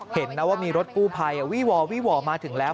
เห็นนะว่ามีรถกู้ภัยวี่วอวี่วอมาถึงแล้ว